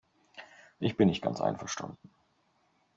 Ich bin nicht ganz einverstanden.